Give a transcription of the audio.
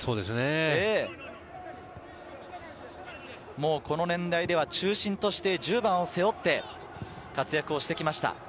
もうこの年代では中心として１０番を背負って活躍をしてきました。